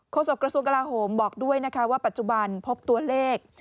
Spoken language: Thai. โฆษกรสุนกราโฮมบอกด้วยว่าปัจจุบันพบตัวเลข